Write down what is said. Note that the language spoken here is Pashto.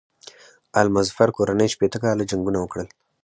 آل مظفر کورنۍ شپېته کاله جنګونه وکړل.